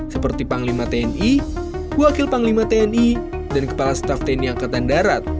seperti panglima tni wakil panglima tni dan kepala staf tni angkatan darat